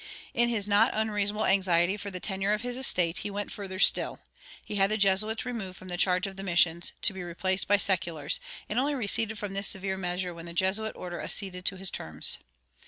In his not unreasonable anxiety for the tenure of his estate, he went further still; he had the Jesuits removed from the charge of the missions, to be replaced by seculars, and only receded from this severe measure when the Jesuit order acceded to his terms.